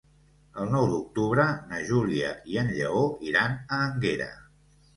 El nou d'octubre na Júlia i en Lleó iran a Énguera.